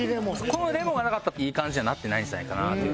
このレモンがなかったらいい感じにはなってないんじゃないかなっていう。